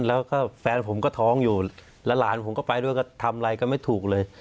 แล้วก็แฟนผมก็ท้องอยู่แล้วหลานผมก็ไปด้วยก็ทำอะไรก็ไม่ถูกเลย